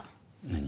何？